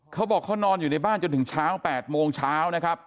เขาบอกเขานอนอยู่ในบ้านจนถึงเช้า๘โมงเช้านะครับ